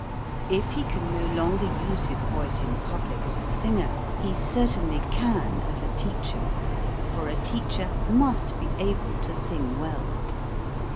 If he can no longer use his voice in public as a singer, he certainly can as a teacher for a teacher must be able to sing well.